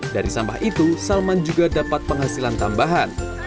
dari sampah itu salman juga dapat penghasilan tambahan